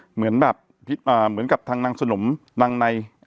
เหมือนกับทางนางสฉมนางใน